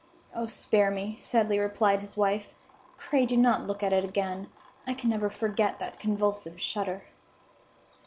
"Oh, spare me!" sadly replied his wife. "Pray do not look at it again. I never can forget that convulsive shudder."